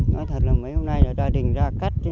nói thật là mấy hôm nay là gia đình rất là khó chịu